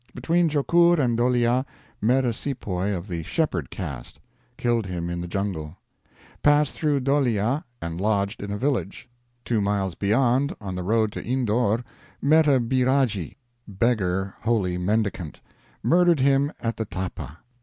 "Between Jokur and Dholeea met a sepoy of the shepherd caste; killed him in the jungle. "Passed through Dholeea and lodged in a village; two miles beyond, on the road to Indore, met a Byragee (beggar holy mendicant); murdered him at the Thapa.